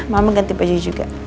mama ganti baju juga